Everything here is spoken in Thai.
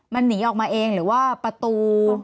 มันหนีออกมาเองหรือว่าประตู